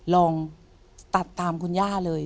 ลองตัดตามคุณย่าเลย